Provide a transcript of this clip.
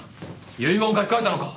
遺言書き換えたのか？